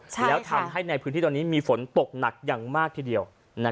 แล้วทำให้ในพื้นที่ตอนนี้มีฝนตกหนักอย่างมากทีเดียว